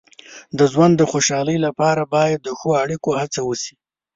د ژوند د خوشحالۍ لپاره باید د ښو اړیکو هڅه وشي.